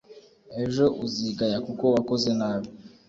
ejo uzigaya kuko wakoze nabi